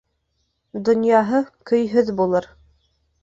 Донъяһы көйһөҙ булыр.